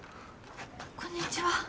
こんにちは。